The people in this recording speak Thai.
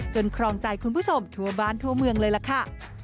ครองใจคุณผู้ชมทั่วบ้านทั่วเมืองเลยล่ะค่ะ